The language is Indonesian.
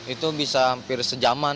itu bisa hampir sejaman